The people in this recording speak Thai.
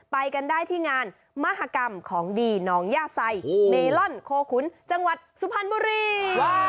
ไปกันได้ที่งานมหากรรมของดีน้องย่าไซเมลอนโคขุนจังหวัดสุพรรณบุรี